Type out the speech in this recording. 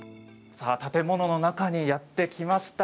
さあ建物の中にやって来ました。